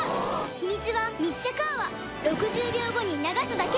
ヒミツは密着泡６０秒後に流すだけ